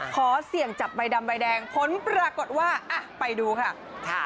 ขอเสี่ยงจับใบดำใบแดงผลปรากฏว่าไปดูค่ะ